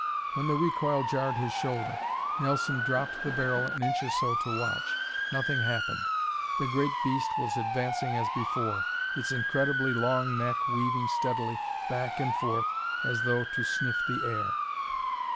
When the recoil jarred his shoulder, Nelson dropped the barrel an inch or so to watch. Nothing happened. The great beast was advancing as before, its incredibly long neck weaving steadily back and forth as though to sniff the air.